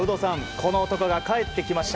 この男が帰ってきました。